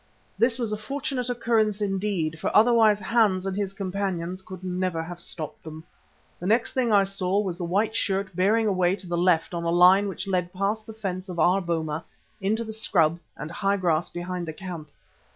This was a fortunate occurrence indeed, for otherwise Hans and his companions could never have stopped them. The next thing I saw was the white shirt bearing away to the left on a line which led past the fence of our boma into the scrub and high grass behind the camp.